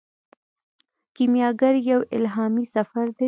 کیمیاګر یو الهامي سفر دی.